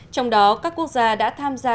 trong đó các quốc gia đã tham gia